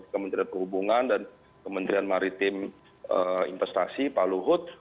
kementerian perhubungan dan kementerian maritim investasi pak luhut